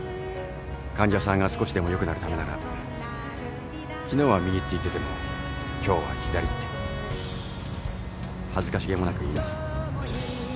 患者さんが少しでも良くなるためなら昨日は右って言ってても今日は左って恥ずかしげもなく言います。